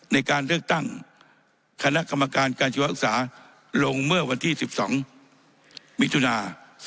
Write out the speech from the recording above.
ในการเลือกตั้งคณะกรรมการการชีวศึกษาลงเมื่อวันที่๑๒มิถุนา๒๕๖